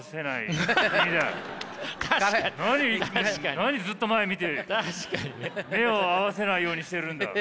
何ずっと前見て目を合わせないようにしてるんだ。